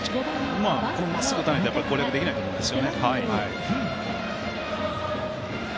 まっすぐ打たないと攻略できないと思います。